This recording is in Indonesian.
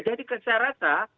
jadi saya rasa